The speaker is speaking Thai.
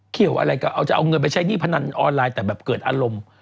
เกี่ยวอะไรกับเอาจะเอาเงินไปใช้หนี้พนันออนไลน์แต่แบบเกิดอารมณ์